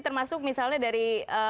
termasuk misalnya dari